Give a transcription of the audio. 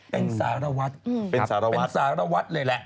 เป็นสารวัตรเป็นสารวัตรเลยแหละ